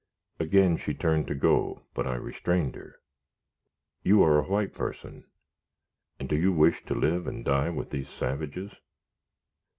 Again she turned to go, but I restrained her. "You are a white person, and do you wish to live and die with these savages?"